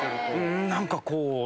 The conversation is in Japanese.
何かこう。